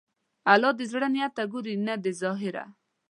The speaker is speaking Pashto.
الله د زړه نیت ته ګوري، نه د ظاهره.